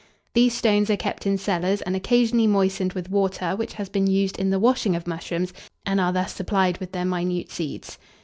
These stones are kept in cellars, and occasionally moistened with water which has been used in the washing of mushrooms, and are thus supplied with their minute seeds.